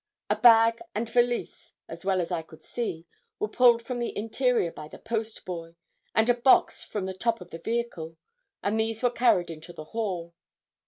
A bag and valise, as well as I could see, were pulled from the interior by the post boy, and a box from the top of the vehicle, and these were carried into the hall.